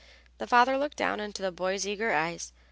The father looked down into the boy's eager eyes.